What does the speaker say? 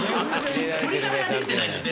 振り方ができてないのよ